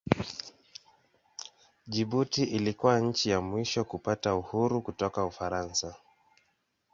Jibuti ilikuwa nchi ya mwisho kupata uhuru kutoka Ufaransa.